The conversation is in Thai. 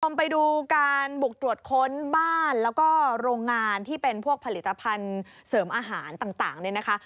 ไปดูการบุกตรวจค้นบ้านแล้วก็โรงงานที่เป็นพวกผลิตภัณฑ์เสริมอาหารต่างเนี่ยนะคะ